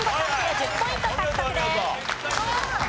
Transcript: １０ポイント獲得です。